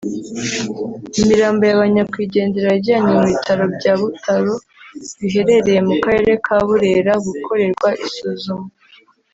Imirambo ya ba nyakwigendera yajyanywe mu bitaro bya Butaro biherereye mu karere ka Burera gukorerwa isuzuma